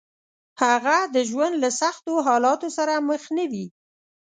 هغه د ژوند له سختو حالاتو سره مخ نه وي.